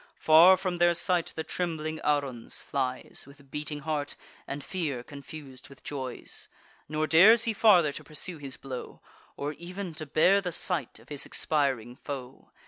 Far from their sight the trembling Aruns flies, With beating heart, and fear confus'd with joys; Nor dares he farther to pursue his blow, Or ev'n to bear the sight of his expiring foe.